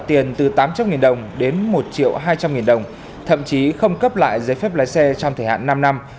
thậm chí không cấp lại giấy phép lái xe trong thời hạn năm năm